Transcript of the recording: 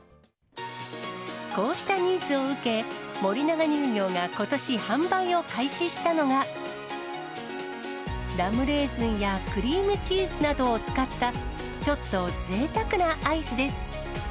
こうしたニーズを受け、森永乳業がことし販売を開始したのが、ラムレーズンやクリームチーズなどを使った、ちょっとぜいたくなアイスです。